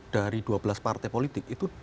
dari dua belas partai politik itu